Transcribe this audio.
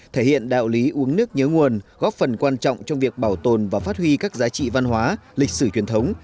thể hiện đạo lý uống nước nhớ nguồn góp phần quan trọng trong việc bảo tồn và phát huy các giá trị văn hóa lịch sử truyền thống